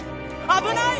危ない！